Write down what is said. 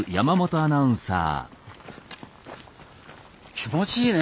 気持ちいいね。